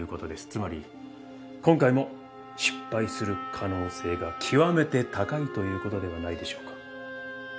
つまり今回も失敗する可能性が極めて高いという事ではないでしょうか。